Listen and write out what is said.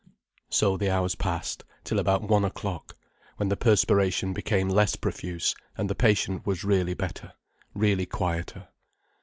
So the hours passed, till about one o'clock, when the perspiration became less profuse, and the patient was really better, really quieter.